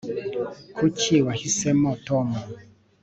kuki wahisemo tom